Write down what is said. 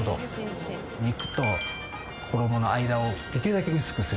肉と衣の間をできるだけ薄くする。